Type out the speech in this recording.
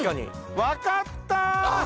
分かった！